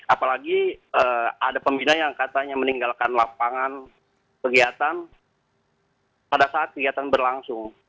apalagi ada pembina yang katanya meninggalkan lapangan kegiatan pada saat kegiatan berlangsung